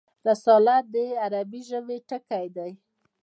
رساله د عربي ژبي ټکی دﺉ.